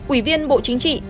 ủy viên bộ chính trị